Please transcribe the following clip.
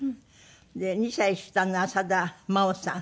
で２歳下の浅田真央さん